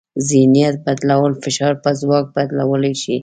ذهنیت بدلول فشار په ځواک بدلولی شي.